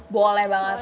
boleh banget dong